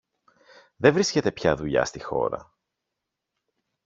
Δε βρίσκεται πια δουλειά στη χώρα.